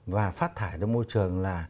và phát thải ra môi trường là